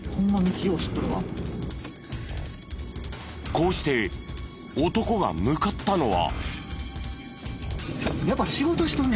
こうして男が向かったのは。